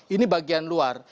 ini bagian luar